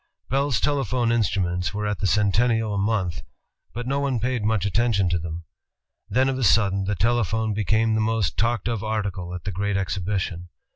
Bell's telephone instruments were at the Centennial a month, but no one paid much attention to them. Then of a sudden the telephone became the most talked of article at the great exhibition.